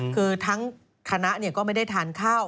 คือทั้งคณะก็ไม่ได้ทานข้าว